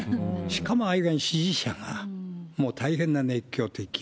しかもああいう具合に支持者が、もう大変な熱狂的。